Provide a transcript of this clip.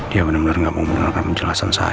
dia bener bener gak mau dengarkan penjelasan saya